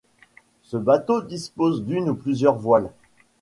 Ce bateau dispose d’une ou plusieurs voiles.